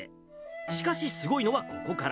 しかしすごいのはここから。